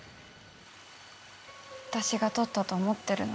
私がとったと思ってるの？